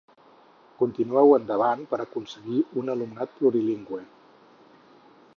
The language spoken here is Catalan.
Continueu endavant per aconseguir un alumnat plurilingüe.